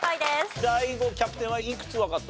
ＤＡＩＧＯキャプテンはいくつわかった？